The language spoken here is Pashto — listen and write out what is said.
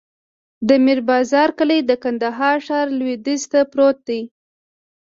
د میر بازار کلی د کندهار ښار لویدیځ ته پروت دی.